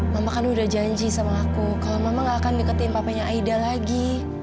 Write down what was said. mama kami udah janji sama aku kalau mama gak akan deketin papanya aida lagi